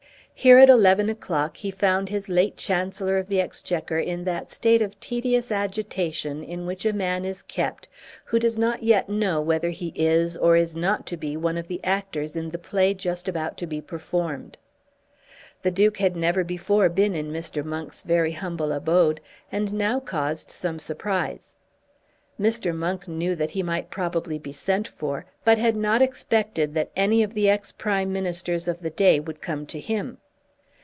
Here at eleven o'clock he found his late Chancellor of the Exchequer in that state of tedious agitation in which a man is kept who does not yet know whether he is or is not to be one of the actors in the play just about to be performed. The Duke had never before been in Mr. Monk's very humble abode, and now caused some surprise. Mr. Monk knew that he might probably be sent for, but had not expected that any of the ex Prime Ministers of the day would come to him.